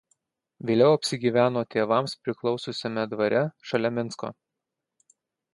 Vėliau apsigyveno tėvams priklausiusiame dvare šalia Minsko.